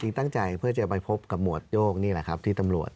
ตั้งใจเพื่อจะไปพบกับหมวดโยกนี่แหละครับที่ตำรวจ